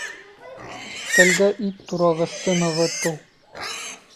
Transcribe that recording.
Өҫтәлгә ит турағысты нығытыу